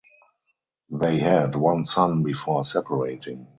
They had one son before separating.